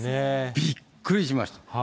びっくりしました。